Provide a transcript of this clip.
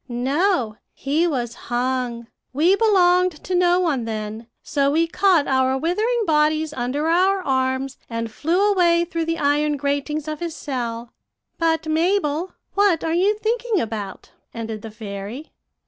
"'No; he was hung. We belonged to no one then, so we caught our withering bodies under our arms, and flew away through the iron gratings of his cell. But, Mabel, what are you thinking about?' ended the fairy.